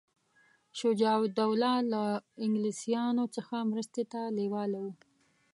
شجاع الدوله له انګلیسیانو څخه مرستې ته لېواله وو.